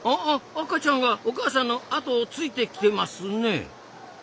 赤ちゃんがお母さんの後をついてきてますね。